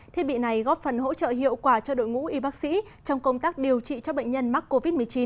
thiết bị này góp phần hỗ trợ hiệu quả cho đội ngũ y bác sĩ trong công tác điều trị cho bệnh nhân mắc covid một mươi chín